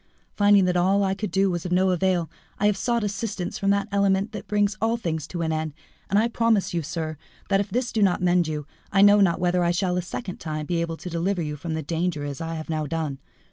Finding that all I could do was of no avail, I have sought assistance from that clement which brings all things to an end, and I promise you, sir, that, if this do not mend you, I know not whether I shall a second time be able to deliver you from the danger as I have now done.